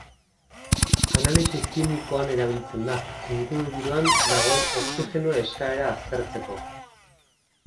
Analisi kimikoan erabiltzen da, ingurugiroan dagoen oxigeno eskaera aztertzeko.